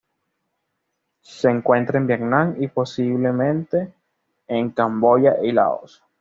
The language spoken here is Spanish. Se encuentra en Vietnam y, posiblemente en Camboya y Laos.